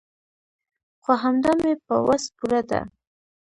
خو همدا مې په وس پوره ده.